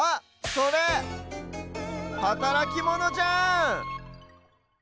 それはたらきモノじゃん！